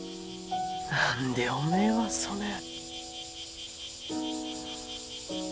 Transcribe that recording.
何でおめえはそねん。